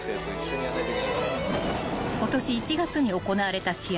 ［ことし１月に行われた試合］